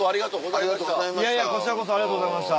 いやいやこちらこそありがとうございました。